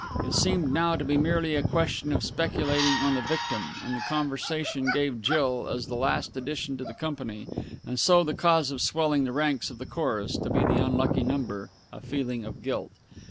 It seemed now to be merely a question of speculating on the victim, and the conversation gave Jill, as the last addition to the company, and so the cause of swelling the ranks of the chorus to the unlucky number, a feeling of guilt.